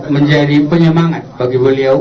menjadi penyemangat bagi beliau